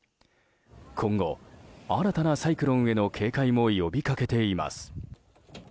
今後、新たなサイクロンへの警戒も呼びかけています。